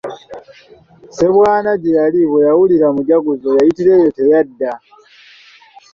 Ssebwana gye yali bwe yawulira mujaguzo, yayitira eyo teyadda.